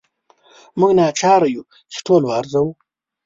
موږ ناچاره یو چې ټول وارزوو.